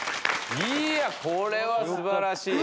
いやこれは素晴らしい。